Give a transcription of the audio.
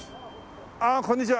ああこんにちは。